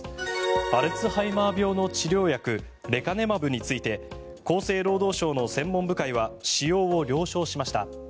アルツハイマー病の治療薬レカネマブについて厚生労働省の専門部会は使用を了承しました。